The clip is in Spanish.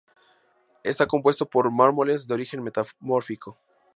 Está compuesto por mármoles de origen metamórfico.